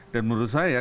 dan menurut saya